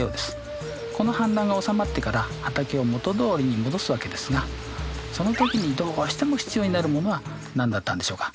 この氾濫がおさまってから畑を元どおりに戻すわけですがその時にどうしても必要になるものは何だったんでしょうか？